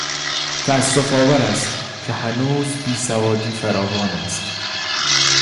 تاسفآور است که هنوز هم بیسوادی فراوان است.